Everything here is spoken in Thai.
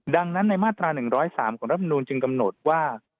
ดังนั้นในมาตรา๑๐๓ของรัฐมนูลจึงกำหนดว่า